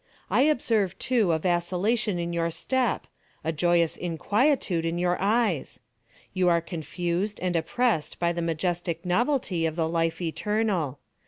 I observe, too, a vacillation in your step—a joyous inquietude in your eyes. You are confused and oppressed by the majestic novelty of the Life Eternal.